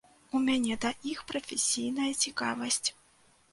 У мяне да іх прафесійная цікавасць.